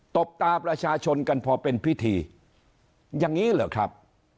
บตาประชาชนกันพอเป็นพิธีอย่างนี้เหรอครับ